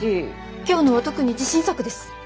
今日のは特に自信作です！